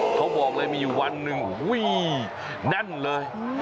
เขาบอกเลยมีอยู่วันหนึ่งแน่นเลย